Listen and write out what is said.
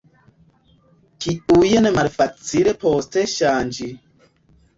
Kiujn malfacile poste ŝanĝi.